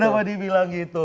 kenapa dibilang begitu